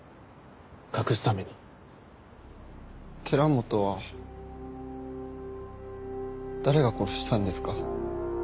寺本は誰が殺したんですか？